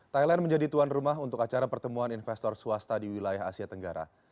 thailand menjadi tuan rumah untuk acara pertemuan investor swasta di wilayah asia tenggara